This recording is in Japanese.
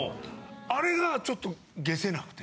あれがちょっと解せなくて。